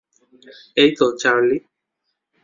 এইতো, চার্লি।